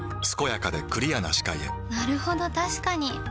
健やかでクリアな視界へなるほど確かに！